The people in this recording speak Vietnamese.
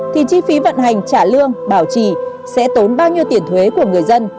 thì chi phí vận hành trả lương bảo trì sẽ tốn bao nhiêu tiền thuế của người dân